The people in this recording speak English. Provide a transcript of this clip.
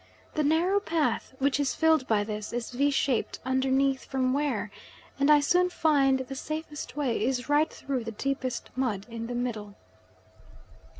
The narrow path which is filled by this, is V shaped underneath from wear, and I soon find the safest way is right through the deepest mud in the middle.